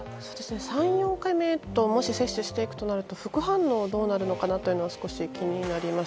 ３、４回目ともし接種していくとなると副反応がどうなるのかが少し気になります。